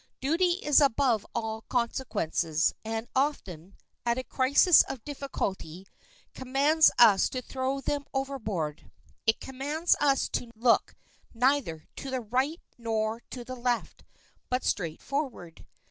Duty is above all consequences, and often, at a crisis of difficulty, commands us to throw them overboard. It commands us to look neither to the right nor to the left, but straight forward.